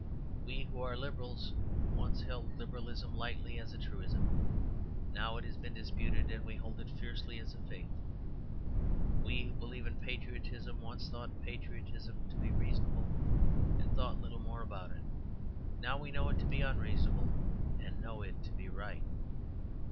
We who are Liberals once held Liberalism lightly as a truism. Now it has been disputed, and we hold it fiercely as a faith. We who believe in patriotism once thought patriotism to be reasonable, and thought little more about it. Now we know it to be unreasonable, and know it to be right.